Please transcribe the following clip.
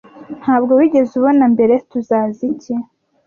Ntabwo wigeze ubona mbere. Tuzaza iki